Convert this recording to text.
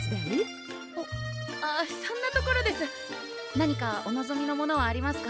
何かお望みのものはありますか？